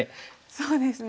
そうですね。